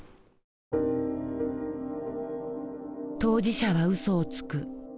「当事者は嘘をつく」。